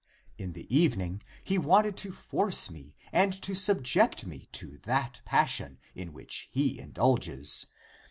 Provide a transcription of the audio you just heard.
In the evening he wanted to force me and to subject me to that passion in which he indulges.